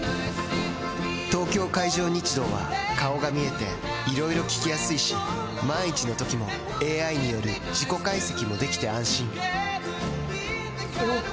東京海上日動は顔が見えていろいろ聞きやすいし万一のときもＡＩによる事故解析もできて安心おぉ！